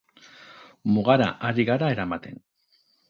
Mugara ari gara eramaten.